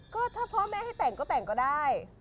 ก็ถ้าพ่อแม่ให้แต่งก็แต่งก็ได้